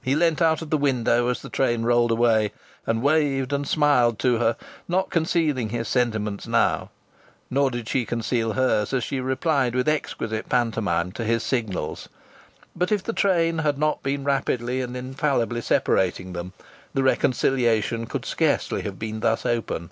He leaned out of the window as the train rolled away and waved and smiled to her, not concealing his sentiments now; nor did she conceal hers as she replied with exquisite pantomime to his signals. But if the train had not been rapidly and infallibly separating them the reconciliation could scarcely have been thus open.